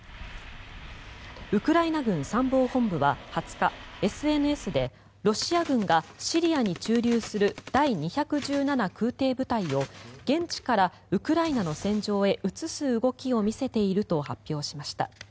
ウクライナ軍参謀本部は２０日ＳＮＳでロシア軍がシリアに駐留する第２１７空挺部隊を現地からウクライナの戦場へ移す動きを見せていると発表しました。